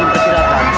tetapi kalau melihat